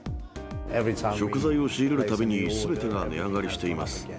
食材を仕入れるたびに、すべてが値上がりしています。